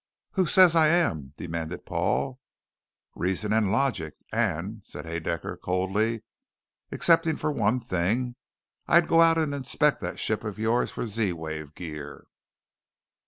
"Who says I am?" demanded Paul. "Reason and logic. And," said Haedaecker coldly, "excepting for one thing, I'd go out and inspect that ship of yours for Z wave gear.